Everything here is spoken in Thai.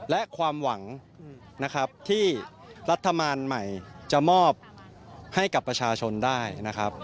และความหวังนะครับที่รัฐบาลใหม่จะมอบให้กับประชาชนได้นะครับ